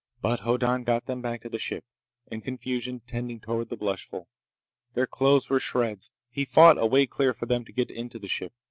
But Hoddan got them back to the ship, in confusion tending toward the blushful. Their clothes were shreds. He fought a way clear for them to get into the ship.